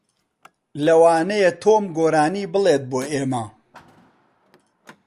لەوانەیە تۆم گۆرانی بڵێت بۆ ئێمە.